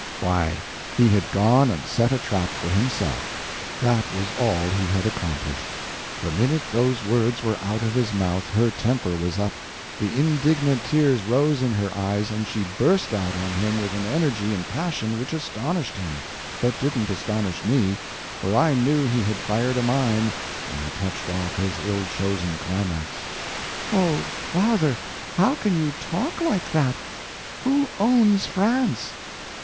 Why, he had gone and set a trap for himself—that was all he had accomplished. The minute those words were out of his mouth her temper was up, the indignant tears rose in her eyes, and she burst out on him with an energy and passion which astonished him, but didn't astonish me, for I knew he had fired a mine when he touched off his ill chosen climax. "Oh, father, how can you talk like that? Who owns France?"